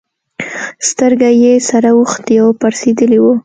سترگه يې سره اوښتې او پړسېدلې وه.